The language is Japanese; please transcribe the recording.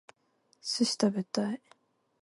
寿司食べたい